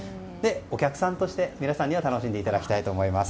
お客さんとして皆さんに楽しんでいただきたいと思います。